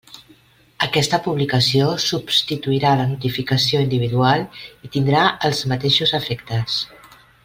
Aquesta publicació substituirà la notificació individual i tindrà els mateixos efectes.